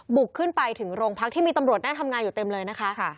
บุกขึ้นไปถึงโรงพักที่มีตำรวจนั่งทำงานอยู่เต็มเลยนะคะ